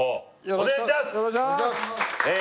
お願いします